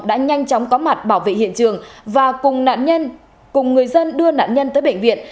đã nhanh chóng có mặt bảo vệ hiện trường và cùng người dân đưa nạn nhân tới bệnh viện